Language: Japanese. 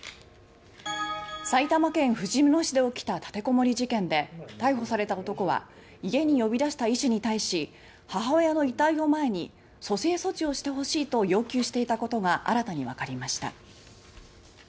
埼玉県ふじみ野市で起きた立てこもり事件で逮捕された男は家に呼び出した医師に対し母親の遺体を前に「蘇生措置をして欲しい」と要求していたことが新たに分かりました。